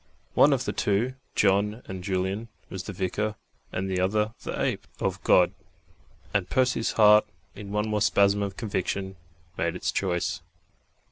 One of the two, John and Julian, was the Vicar, and the other the Ape, of God.... And Percy's heart in one more spasm of conviction made its choice....